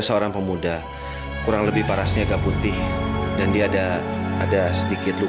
karena aku aku sangat mencintai kamu